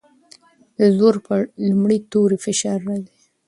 د زور پر لومړي توري فشار راځي.